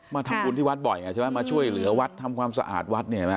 มาทำบุญที่วัดบ่อยใช่ไหมมาช่วยเหลือวัดทำความสะอาดวัด